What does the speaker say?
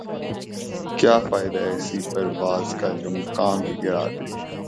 کیا فائدہ ایسی پرواز کا جومقام ہی گِرادے